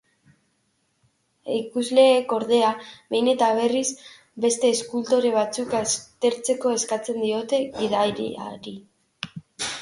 Ikusleek, ordea, behin eta berriz beste eskultore batzuk aztertzeko eskatzen diote gidariari.